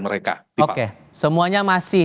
mereka oke semuanya masih